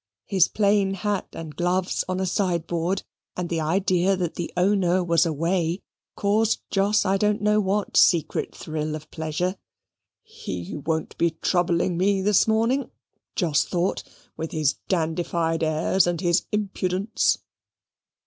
His plain hat, and gloves on a sideboard, and the idea that the owner was away, caused Jos I don't know what secret thrill of pleasure. "HE won't be troubling me this morning," Jos thought, "with his dandified airs and his impudence."